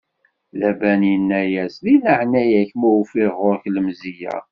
Laban inna-as: Di leɛnaya-k, ma ufiɣ ɣur-k lemzeyya.